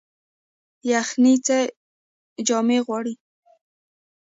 یخني څه جامې غواړي؟